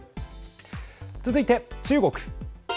続いて中国。